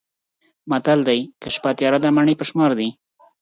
متل دی: که شپه تیاره ده مڼې په شمار دي.